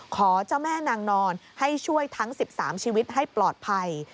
ขอเจ้าแม่นางนอนให้ช่วยทั้ง๑๓ชีวิตให้ปลอดภัย